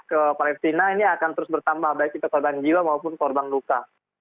ke palestina ini akan terus bertambah baik itu korban jiwa maupun korban luka